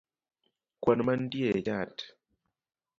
kwan manitie e chat